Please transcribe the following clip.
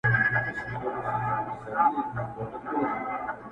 ګرځېدلی وو پر ونو او پر ژر ګو.!